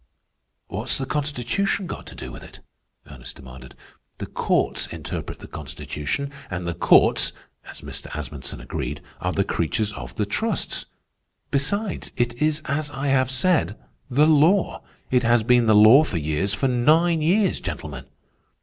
"What's the Constitution got to do with it?" Ernest demanded. "The courts interpret the Constitution, and the courts, as Mr. Asmunsen agreed, are the creatures of the trusts. Besides, it is as I have said, the law. It has been the law for years, for nine years, gentlemen."